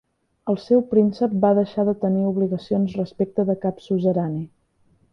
El seu príncep va deixar de tenir obligacions respecte de cap suzerani.